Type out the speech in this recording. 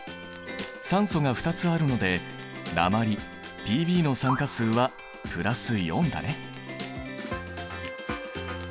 酸素が２つあるので鉛Ｐｂの酸化数は＋４だね。